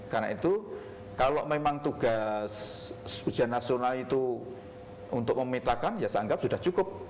karena itu kalau memang tugas ujian nasional itu untuk memetakan ya seanggap sudah cukup